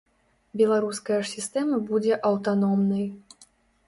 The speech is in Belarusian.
Беларуская ж сістэма будзе аўтаномнай.